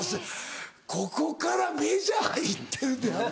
ここからメジャーいってるって。